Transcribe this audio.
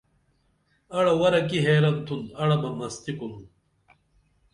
اڑہ ورہ کی حیرن تُھن اڑہ بہ مستی کُنُن